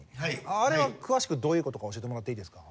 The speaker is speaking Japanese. あれは詳しくどういう事か教えてもらっていいですか？